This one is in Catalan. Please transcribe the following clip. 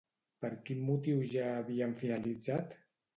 Per quin motiu ja havien finalitzat?